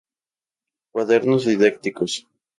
Cuadernos didácticos.